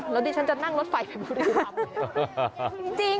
แล้วดิฉันจะนั่งรถไฟไปบุรีรำ